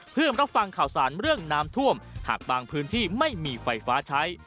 เพื่อรับฟังข่าวสารเรื่องน้ำท่วมหากบางพื้นที่ไม่มีไฟฟ้าใช้